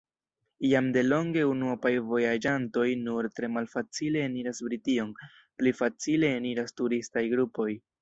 Jam delonge unuopaj vojaĝantoj nur tre malfacile eniras Brition: pli facile eniras turistaj grupoj.